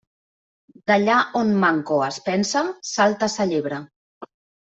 D'allà on manco es pensa, salta sa llebre.